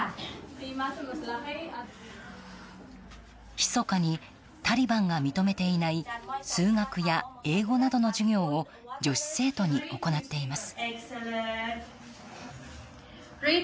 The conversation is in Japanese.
ひそかにタリバンが認めていない数学や英語などの授業を女子生徒に行っています。